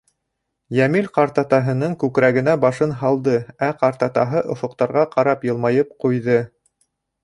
Йәмил ҡартатаһының күкрәгенә башын һалды, ә ҡартатаһы офоҡтарға ҡарап йылмайып ҡуйҙы.